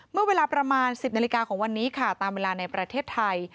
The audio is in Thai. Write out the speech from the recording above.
เมื่อเวลาประมาณ๑๐นาฬิกาของวันนี้ค่ะตามเวลาในประเทศไทย